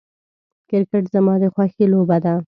کرکټ زما د خوښې لوبه ده .